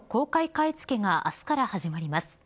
買い付けが明日から始まります。